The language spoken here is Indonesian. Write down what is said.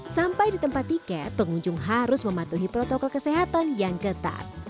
sampai di tempat tiket pengunjung harus mematuhi protokol kesehatan yang ketat